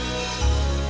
binen ga diugap